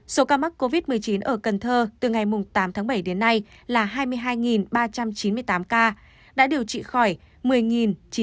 số ca mắc covid một mươi chín ở cần thơ từ ngày tám tháng bảy đến nay là hai mươi hai ba trăm chín mươi tám ca đã điều trị khỏi một mươi chín trăm một mươi bảy người